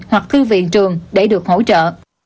hoặc thư viện trường để được hỗ trợ